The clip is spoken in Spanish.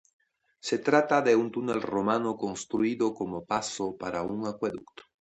Se trata de un túnel romano construido como paso para un acueducto.